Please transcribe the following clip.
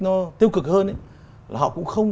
nó tiêu cực hơn ấy là họ cũng không